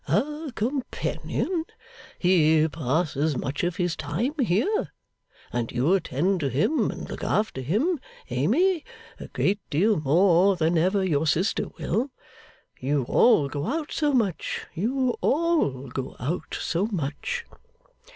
'A companion? He passes much of his time here. And you attend to him and look after him, Amy, a great deal more than ever your sister will. You all go out so much; you all go out so much.